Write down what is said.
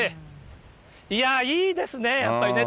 いやー、いいですね、やっぱりね。